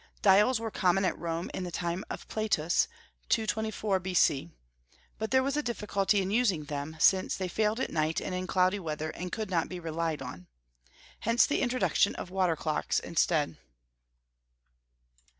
Dials were common at Rome in the time of Plautus, 224 B.C.; but there was a difficulty in using them, since they failed at night and in cloudy weather, and could not be relied on. Hence the introduction of water clocks instead.